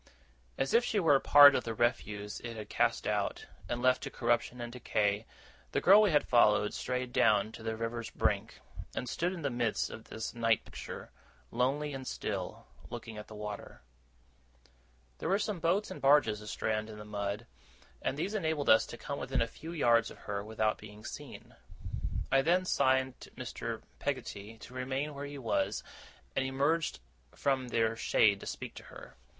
As if she were a part of the refuse it had cast out, and left to corruption and decay, the girl we had followed strayed down to the river's brink, and stood in the midst of this night picture, lonely and still, looking at the water. There were some boats and barges astrand in the mud, and these enabled us to come within a few yards of her without being seen. I then signed to Mr. Peggotty to remain where he was, and emerged from their shade to speak to her.